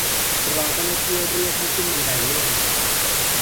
รอเจ้าหน้าที่เรียกให้ขึ้นบันไดเลื่อน